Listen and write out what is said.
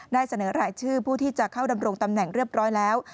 เสนอรายชื่อผู้ที่จะเข้าดำรงตำแหน่งเรียบร้อยแล้ว